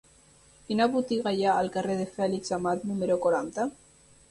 Quina botiga hi ha al carrer de Fèlix Amat número quaranta?